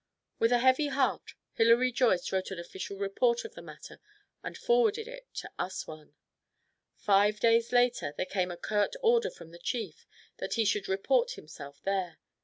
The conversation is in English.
With a heavy heart, Hilary Joyce wrote an official report of the matter and forwarded it to Assouan. Five days later there came a curt order from the chief that he should report himself there.